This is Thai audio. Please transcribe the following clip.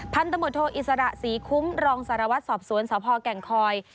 พันธมตโทอิสระศรีคุ้มรองสารวัตรสอบสวนสพแก่งคอย